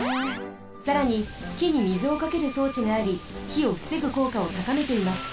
さらにきに水をかけるそうちがありひをふせぐこうかをたかめています。